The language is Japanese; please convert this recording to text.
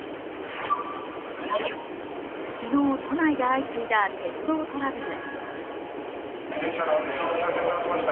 昨日、都内で相次いだ鉄道トラブル。